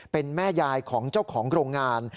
เป็นแม่ยายของเจ้าของโรงงาน